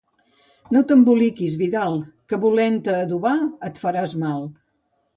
No t'emboliquis, Vidal, que volent-te adobar et faràs mal.